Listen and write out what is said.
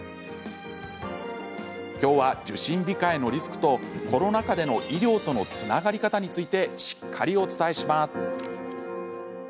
きょうは、受診控えのリスクとコロナ禍での医療とのつながり方についてしっかりお伝えします。